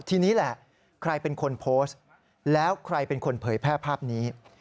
ทีนี้แหละใครเป็นคนโพสต์แล้วใครเป็นคนเผยแพร่ภาพนี้